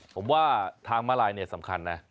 ผมว่าทางมาลายเนี่ยสำคัญนะ